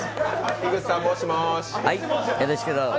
樋口さん、もしもし！